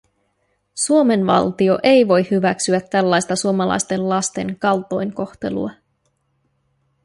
Suomen valtio ei voi hyväksyä tällaista suomalaisten lasten kaltoinkohtelua.